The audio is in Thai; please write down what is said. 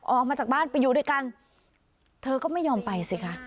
ออกมาจากบ้านไปอยู่ด้วยกันเธอก็ไม่ยอมไปสิคะ